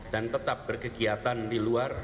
dan tetap berkegiatan di luar